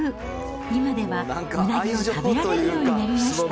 今ではうなぎを食べられるようになりました。